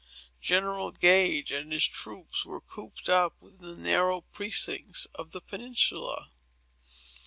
General Gage and his troops were cooped up within the narrow precincts of the peninsula.